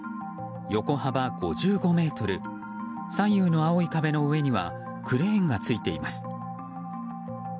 横幅５５ｍ左右の青い壁の上にはクレーンがついています。